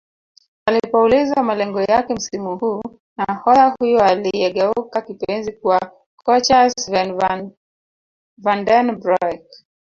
Alipoulizwa malengo yake msimu huu nahodha huyo aliyegeuka kipenzi kwa kocha Sven Vanden broeck